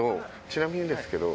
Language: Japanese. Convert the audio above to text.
ちなみにですけど。